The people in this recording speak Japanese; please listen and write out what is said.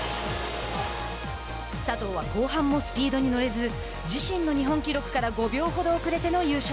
佐藤は後半もスピードに乗れず自身の日本記録から５秒ほどおくれての優勝。